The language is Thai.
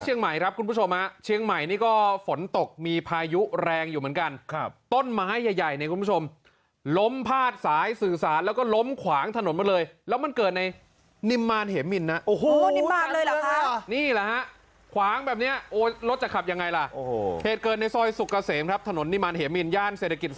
ครับคุณผู้ชมฮะเชียงใหม่นี่ก็ฝนตกมีพายุแรงอยู่เหมือนกันครับต้นไม้ใหญ่ใหญ่เนี่ยคุณผู้ชมล้มพาดสายสื่อสารแล้วก็ล้มขวางถนนมาเลยแล้วมันเกิดในนิมมารเหมินนะโอ้โหนิมมากเลยเหรอคะนี่แหละฮะขวางแบบเนี้ยโอ้ยรถจะขับยังไงล่ะโอ้โหเหตุเกิดในซอยสุกเกษมครับถนนนิมารเหมินย่านเศรษฐกิจ